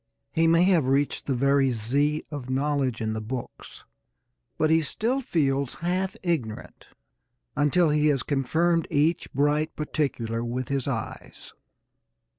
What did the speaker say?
He may have reached the very Z of knowledge in the books, but he still feels half ignorant until he has confirmed each bright particular with his eyes.